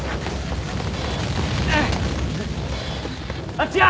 あっちや！